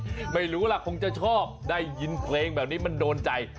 ไม่รู้ล่ะคงจะชอบได้ยินเพลงแบบนี้มันโดนใจ